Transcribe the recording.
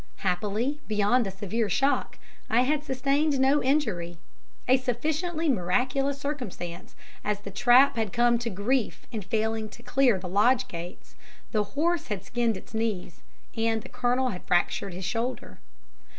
Happily, beyond a severe shock, I had sustained no injury a sufficiently miraculous circumstance, as the trap had come to grief in failing to clear the lodge gates, the horse had skinned its knees, and the Colonel had fractured his shoulder.